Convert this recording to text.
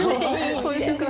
そういう瞬間